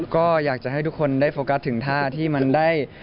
ก็อยากจะให้ทุกคนได้โฟกัสถึงท่าที่มันได้